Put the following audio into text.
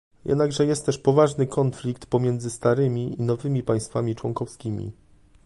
Jednakże jest też poważny konflikt pomiędzy starymi i nowymi państwami członkowskimi